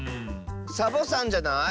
サボさんじゃない？